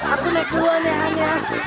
aku naik duluan ya hanya